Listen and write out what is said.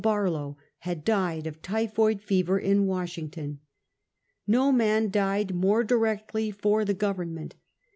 Barlow had died of typhoid, fever, in Washington. ISTo man died more directly for the Government.